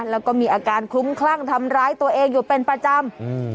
แล้วก็มีอาการคลุ้มคลั่งทำร้ายตัวเองอยู่เป็นประจำอืม